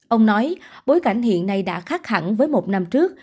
ông nói bối cảnh hiện nay đã khác hẳn với một năm trước